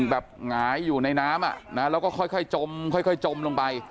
แบบหงายอยู่ในน้ำนะและค่อยจมลงไป